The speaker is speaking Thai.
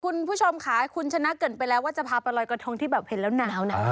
คุณผู้ชมค่ะคุณชนะเกิดไปแล้วว่าจะพาไปลอยกระทงที่แบบเห็นแล้วหนาวนะ